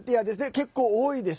結構、多いです。